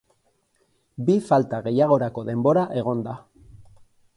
Bi falta gehiagorako denbora egon da.